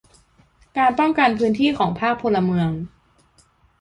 การป้องกันพื้นที่ของภาคพลเมือง